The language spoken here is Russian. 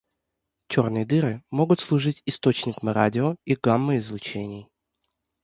Черные дыры могут служить источником радио- и гамма-излучений.